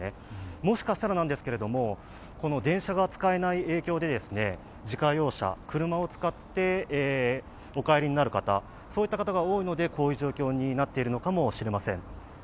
もしかしたらですが、電車が使えない影響で自家用車、車を使ってお帰りになる方などが多いのでこういう状況になっているのかもしれません。